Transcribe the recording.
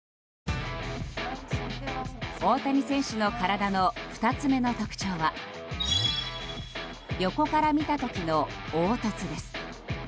大谷選手の体の２つ目の特徴は横から見た時の凹凸です。